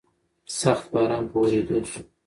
سخت باران په ورېدو شو.